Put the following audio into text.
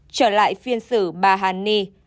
trở lại phiên xử bà hà ni